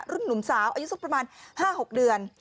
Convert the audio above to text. หนุ่มสาวอายุสักประมาณ๕๖เดือน